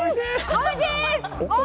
おいしい！